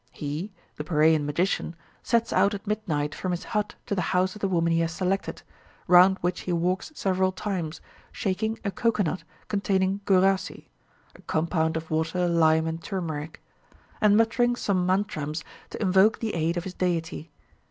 He (the Paraiyan magician) sets out at midnight from his hut to the house of the woman he has selected, round which he walks several times, shaking a cocoanut containing gurasi (a compound of water, lime, and turmeric), and muttering some mantrams to invoke the aid of his deity.